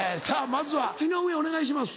まずは井上お願いします。